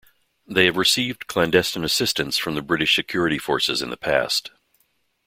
They have received clandestine assistance from the British security forces in the past.